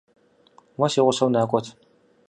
Уэ си гъусэу накӀуэт.